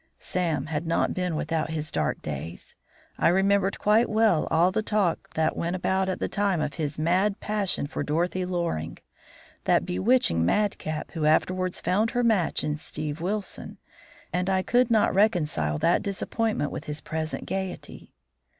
Sam had not been without his dark days. I remembered quite well all the talk that went about at the time of his mad passion for Dorothy Loring, that bewitching madcap who afterwards found her match in Steve Wilson, and I could not reconcile that disappointment with his present gaiety.